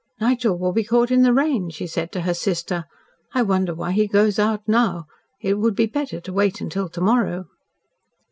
"Nigel will be caught in the rain," she said to her sister. "I wonder why he goes out now. It would be better to wait until to morrow."